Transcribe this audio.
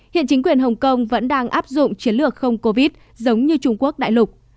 hiện chính quyền hồng kông vẫn đang áp dụng chiến lược không covid giống như trung quốc đại lục